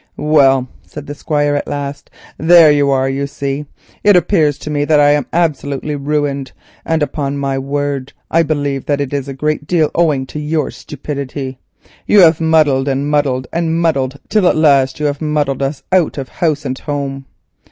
"Well," said the Squire at last, "there you are, you see. It appears to me that I am absolutely ruined, and upon my word I believe that it is a great deal owing to your stupidity. You have muddled and muddled and muddled till at last you have muddled us out of house and home."